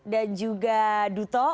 dan juga duto